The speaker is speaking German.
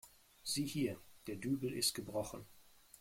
Sieh hier, der Dübel ist gebrochen.